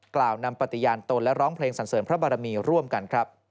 กล่าวนำปฏิญาณตนและร้องเพลงสันเสริมพระบารมีร่วมกันครับ